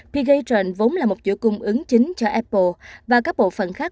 p gatron vốn là một giữa cung ứng chính cho apple và các bộ phần khác